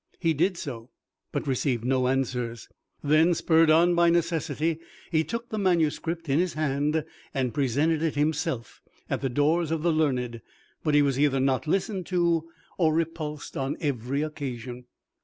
He did so, but received no answers. Then, spurred on by necessity, he took the manuscript in his hand, and presented it himself at the doors of the learned; but he was either not listened to, or repulsed on every occasion.